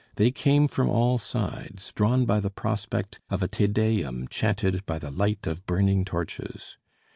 They came from all sides, drawn by the prospect of a "Te Deum" chanted by the light of burning torches.